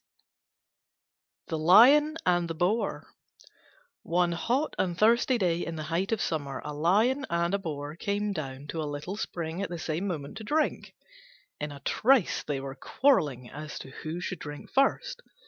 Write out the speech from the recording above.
THE LION AND THE BOAR One hot and thirsty day in the height of summer a Lion and a Boar came down to a little spring at the same moment to drink. In a trice they were quarrelling as to who should drink first.